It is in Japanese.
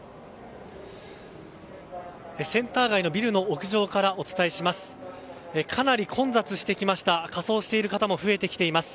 センター街のビルの屋上からお伝えします。